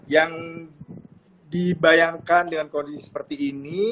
yang dibayangkan dengan kondisi seperti ini